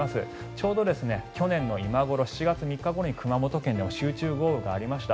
ちょうど去年の今頃７月３日ごろに熊本県で集中豪雨がありました。